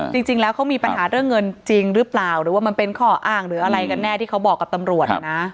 จริงแล้วเขามีปัญหาเรื่องเงินจริงหรือเปล่าหรือว่ามันเป็นข้ออ้างหรืออะไรกันแน่ที่เขาบอกกับตำรวจนะ